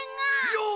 よう！